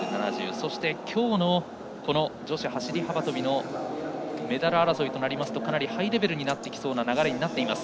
そして、今日の女子走り幅跳びのメダル争いとなりますとかなりハイレベルになってきそうな流れになっています。